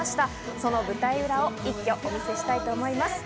その舞台裏を一挙にお見せしたいと思います。